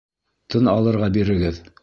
Тын алырға бирегеҙ...